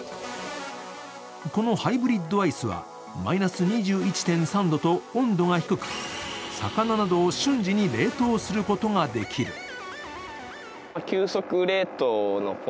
このハイブリッドアイスはマイナス２１．３度と温度が低く、魚などを瞬時に冷凍することができる。